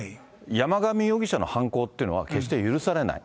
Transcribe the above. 山上容疑者の犯行というのは決して許されない。